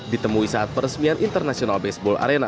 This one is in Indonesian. ditemui saat peresmian international baseball arena